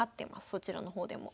そちらの方でも。